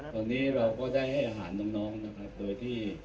ตอนนี้เราก็ได้ให้อาหารน้องนะครับโดยที่